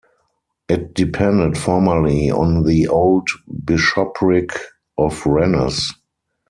It depended formerly on the old bishopric of Rennes.